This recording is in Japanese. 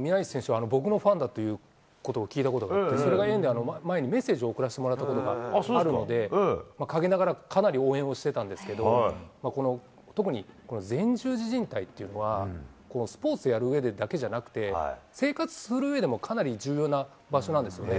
宮市選手は、僕のファンだということを聞いたことがあって、それが縁で、前にメッセージを送らせてもらったことがあるので、陰ながら、かなり応援をしてたんですけれども、この、特に、この前十字じん帯というのは、スポーツやるうえだけじゃなくて、生活するうえでも、かなり重要な場所なんですよね。